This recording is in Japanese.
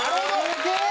すげえ！